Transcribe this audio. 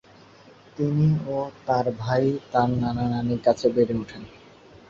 তিনি ও তার ভাই তার নানা-নানীর কাছে বেড়ে ওঠেন।